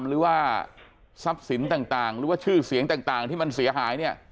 หรือว่าทรัพย์สินต่างหรือว่าชื่อเสียงต่างที่มันเสียหายเนี่ย